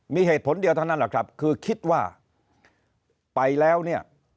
มีเหตุผลเดียวเท่านั้นแหละครับคือคิดว่าไปแล้วเนี่ย